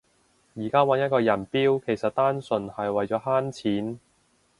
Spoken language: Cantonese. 而家搵一個人標其實單純係為咗慳錢